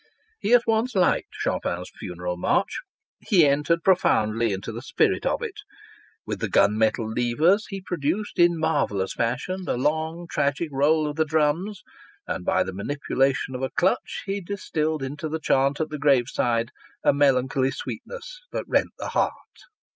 He at once liked Chopin's Funeral March. He entered profoundly into the spirit of it. With the gun metal levers he produced in a marvellous fashion the long tragic roll of the drums, and by the manipulation of a clutch he distilled into the chant at the graveside a melancholy sweetness that rent the heart.